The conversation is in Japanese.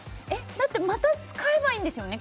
だってまた使えばいいんですよね？